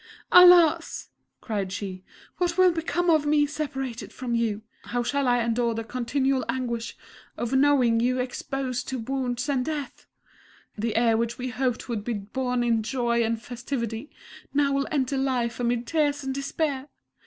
"Alas!" cried she, "what will become of me, separated from you? How shall I endure the continual anguish of knowing you exposed to wounds and death? The heir which we hoped would be born in joy and festivity, now will enter life amid tears and despair!